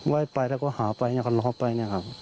ว่ายไปแล้วก็หาไปเนี่ยค้นหาไปเนี่ยครับ